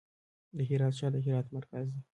د هرات ښار د هرات مرکز دی